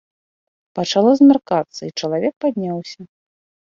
Пачало змяркацца, і чалавек падняўся.